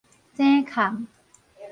井崁